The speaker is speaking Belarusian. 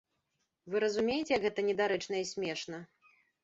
Вы разумееце, як гэта недарэчна і смешна.